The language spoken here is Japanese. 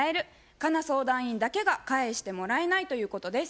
佳奈相談員だけが「返してもらえない」ということです。